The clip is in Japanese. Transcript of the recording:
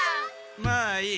まあいい。